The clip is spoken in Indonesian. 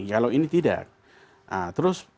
kalau ini tidak terus